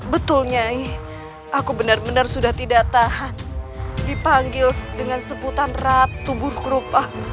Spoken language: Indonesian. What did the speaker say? betul nyai aku benar benar sudah tidak tahan dipanggil dengan sebutan ratu burupa